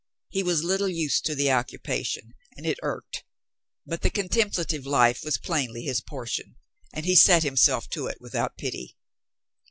He was little used to the occupation and it irked, but the contemplative life was plainly his por tion, and he set himself to it without pity.